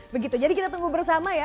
begitu jadi kita tunggu bersama ya